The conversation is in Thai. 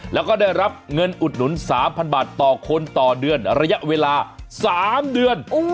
แล้วก็ได้รับเงินอุดหนุน๓๐๐บาทต่อคนต่อเดือนระยะเวลา๓เดือน